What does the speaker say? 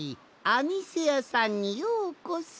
「あみせやさん」にようこそ。